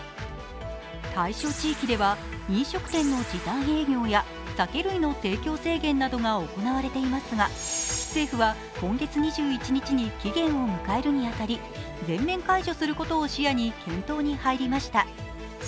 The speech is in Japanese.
対象地域では飲食店の時短営業や酒類の提供制限などが行われていますが政府は今月２１日に期限を迎えるに当たり全面解除することを視野に検討に入りました。